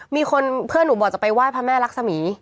มีคนเพื่อนหนูบอกจะไปไหว้พระแม่รักษมี